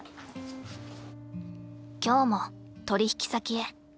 今日も取引先へ。